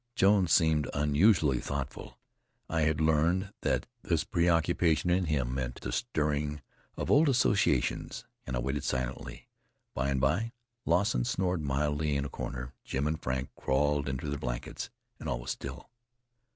Jones seemed unusually thoughtful. I had learned that this preoccupation in him meant the stirring of old associations, and I waited silently. By and by Lawson snored mildly in a corner; Jim and Frank crawled into their blankets, and all was still.